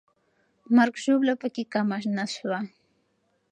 مرګ او ژوبله پکې کمه نه سوه.